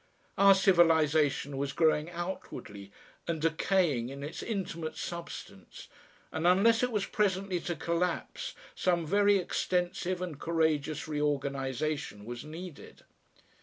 Our civilisation was growing outwardly, and decaying in its intimate substance, and unless it was presently to collapse, some very extensive and courageous reorganisation was needed.